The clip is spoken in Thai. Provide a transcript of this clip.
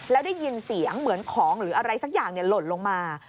แล้วได้ยินเสียงเหมือนของหรืออะไรสักอย่างหล่นลงมา